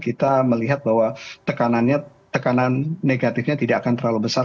kita melihat bahwa tekanan negatifnya tidak akan terlalu besar